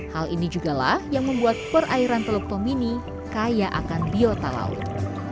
hal ini juga lah yang membuat perairan teluk tomini kaya akan biota laut